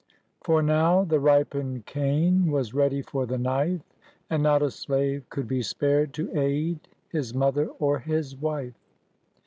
For now the ripened cane Was ready for the knife, And not a slave could be spared to aid His mother or his wife."